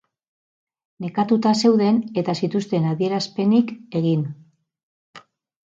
Nekatuta zeuden eta zituzten adierazpenik egin.